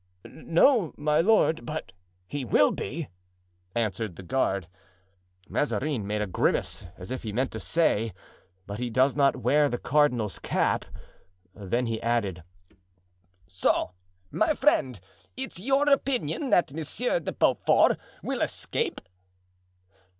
"No, my lord, but he will be," answered the guard. Mazarin made a grimace, as if he meant to say, "But he does not wear the cardinal's cap;" then he added: "So, my friend, it's your opinion that Monsieur de Beaufort will escape?"